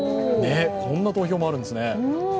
こんな投票もあるんですね。